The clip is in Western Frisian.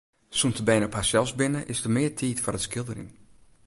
Sûnt de bern op harsels binne, is der mear tiid foar it skilderjen.